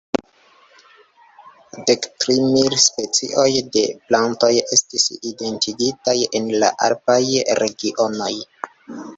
Dektri mil specioj de plantoj estis identigitaj en la alpaj regionoj.